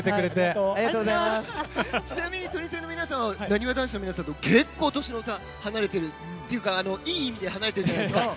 ちなみにトニセンの皆さんはなにわ男子の皆さんと結構、年の差離れているというかいい意味で離れているじゃないですか。